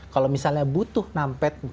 kalau misalnya butuh numpad